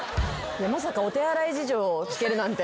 まさかお手洗い事情を聞けるなんて。